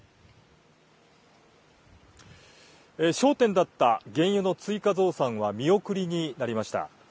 焦点だった原油の追加増産は見送りになりました。